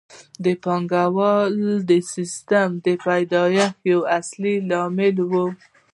دا د پانګوالي سیسټم د پیدایښت یو اصلي لامل وو